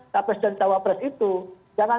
capres dan cawapres itu jangan